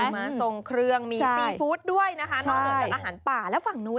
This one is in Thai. รู้ไม้ทรงเครื่องใช่มีด้วยนะคะใช่ทำอาหารป่าแล้วฝั่งนู้น